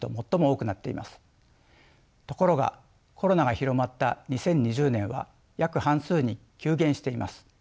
ところがコロナが広まった２０２０年は約半数に急減しています。